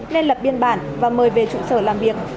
nên lập biên bản và mời về trụ sở làm việc